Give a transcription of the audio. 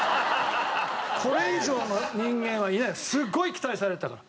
これ以上の人間はいないすごい期待されてたから。